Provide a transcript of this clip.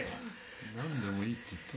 何でもいいって言った。